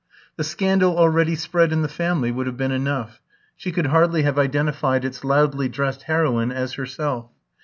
The scandal already spread in the family would have been enough; she could hardly have identified its loudly dressed heroine as herself.